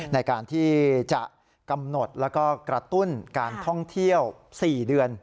ในการที่จะกำหนดแล้วก็กระตุ้นการท่องเที่ยว๔เดือน